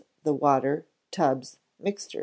the water, tubs, mixtures, &c.